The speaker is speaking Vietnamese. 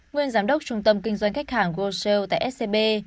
nguyên giám đốc trung tâm kinh doanh khách hàng goldel tại scb